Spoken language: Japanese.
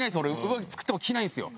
上着作っても着ないんですよ。